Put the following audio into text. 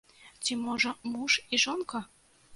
Ці можа муж і жонка?